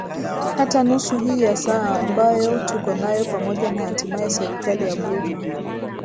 hata nusu hii ya saa ambayo tuko nayo pamoja na hatimaye serikali ya burma